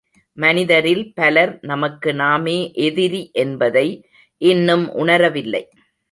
மனிதரில் பலர், நமக்கு நாமே எதிரி என்பதை இன்னும் உணரவில்லை.